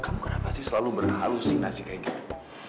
kamu kenapa sih selalu berhalusinasi kayak gitu